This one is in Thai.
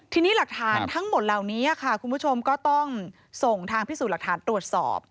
ทีนี้หลักฐานทั้งหมดเหล่านี้ค่ะคุณผู้ชมก็ต้องส่งทางพิสูจน์หลักฐานตรวจสอบ